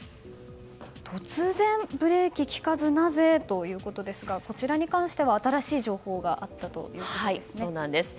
突然、ブレーキ利かずなぜ？ということですがこちらに関して新しい情報があったということですね。